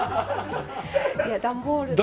いや段ボールで。